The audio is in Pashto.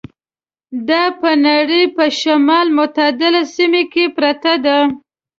دا په نړۍ په شمال متعدله سیمه کې پرته ده.